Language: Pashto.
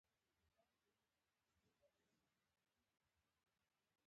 ګیلاس له نغمو سره هم جوړ دی.